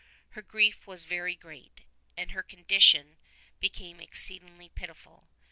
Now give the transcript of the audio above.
Her grief was very great, and her condition became exceedingly pitiful.